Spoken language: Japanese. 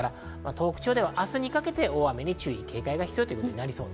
東北地方は明日にかけて大雨に注意・警戒が必要です。